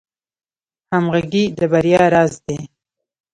همغږي د بریا راز دی